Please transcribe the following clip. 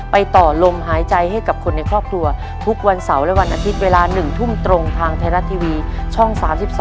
ต่อลมหายใจให้กับคนในครอบครัวทุกวันเสาร์และวันอาทิตย์เวลา๑ทุ่มตรงทางไทยรัฐทีวีช่อง๓๒